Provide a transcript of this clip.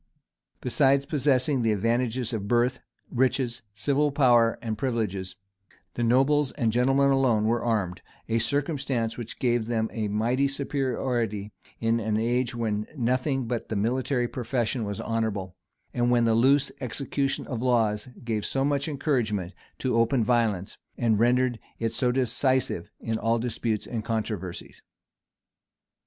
Besides possessing the advantages of birth, riches, civil powers and privileges, the nobles and gentlemen alone were armed a circumstance which gave them a mighty superiority, in an age when nothing but the military profession was honorable, and when the loose execution of laws gave so much encouragement to open violence, and rendered it so decisive in all disputes and controversies.